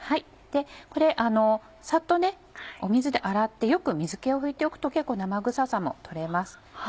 これサッと水で洗ってよく水気を拭いておくと結構生臭さも取れます。